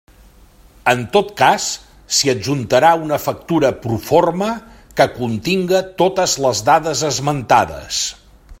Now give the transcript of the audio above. En tot cas, s'hi adjuntarà una factura proforma que continga totes les dades esmentades.